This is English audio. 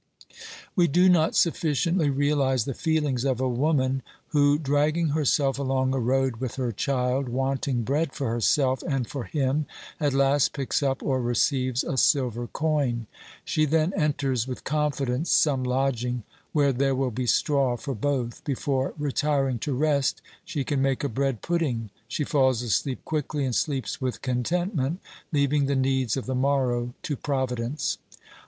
We do not sufficiently realise the feelings of a woman who, dragging herself along a road with her child, wanting bread for herself and for him, at last picks up or receives a silver coin. She tiien enters with confidence some lodging where there will be straw for both ; before retiring to rest she can make a bread pudding ; she falls asleep quickly and sleeps with contentment, leaving the needs of the morrow to Providence.